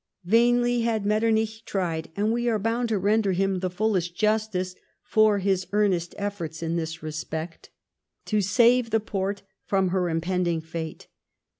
Vainly had Metternich tried, and we are bound to render him the fullest justice for his earnest efforts in this respect, to save the Porte from her impending fate.